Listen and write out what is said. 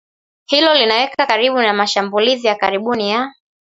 Hilo linawaweka karibu na mashambulizi ya karibuni ya